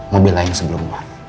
mobil lain sebelumnya